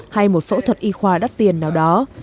hay một phẫu thuật y khoa đắt tiền nào đó